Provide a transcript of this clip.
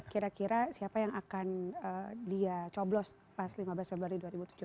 kira kira siapa yang akan dia coblos pas lima belas februari dua ribu tujuh belas